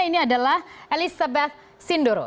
ini adalah elizabeth sindoro